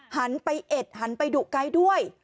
หันไปเอ็ดหันไปดุไกด์ด้วย